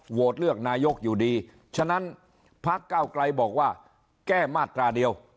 โหวตเลือกนายกอยู่ดีฉะนั้นพักเก้าไกลบอกว่าแก้มาตราเดียว